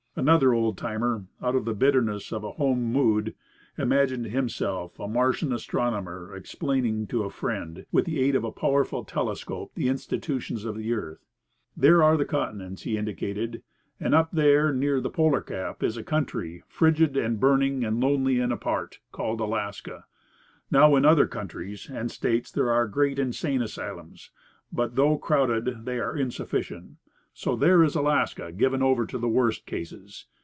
Another old timer, out of the bitterness of a "home mood," imagined himself a Martian astronomer explaining to a friend, with the aid of a powerful telescope, the institutions of the earth. "There are the continents," he indicated; "and up there near the polar cap is a country, frigid and burning and lonely and apart, called Alaska. Now, in other countries and states there are great insane asylums, but, though crowded, they are insufficient; so there is Alaska given over to the worst cases.